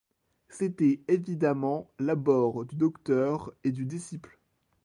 C'était évidemment l'abord du docteur et du disciple.